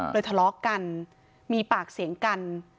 ทะเลาะกันมีปากเสียงกัน